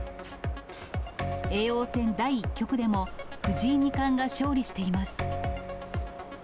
叡王戦第１局でも、藤井二冠が勝利しています。